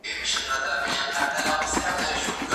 څنګه هنر د ظلم پر وړاندي ږغ پورته کوي؟